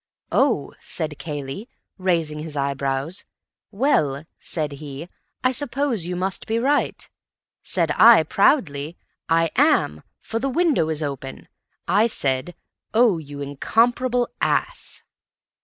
'Oh,' said Cayley, raising his eyebrows. 'Well,' said he, 'I suppose you must be right.' Said I proudly, 'I am. For the window is open,' I said. Oh, you incomparable ass!"